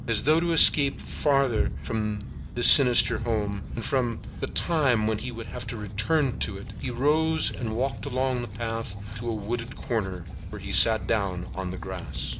As though to escape farther from this sinister home, and from the time when he would have to return to it, he arose and walked along a path to a wooded corner, where he sat down on the grass.